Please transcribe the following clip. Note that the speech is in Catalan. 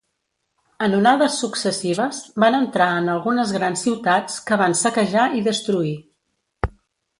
En onades successives, van entrar en algunes grans ciutats, que van saquejar i destruir.